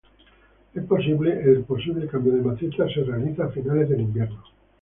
El posible cambio de maceta se realiza a finales del invierno.